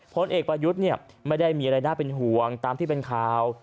พลเอกประยุทธ์ไม่ได้มีอะไรน่าเป็นห่วงตามที่เป็นข่าว